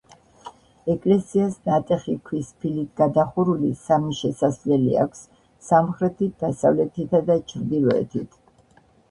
ეკლესიას ნატეხი ქვის ფილით გადახურული სამი შესასვლელი აქეს: სამხრეთით, დასავლეთითა და ჩრდილოეთით.